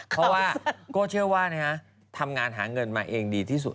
เพราะว่าโก้เชื่อว่าทำงานหาเงินมาเองดีที่สุด